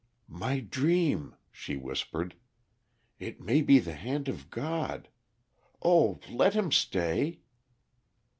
"My dream," she whispered. "It may be the hand of God. Oh, let him stay!"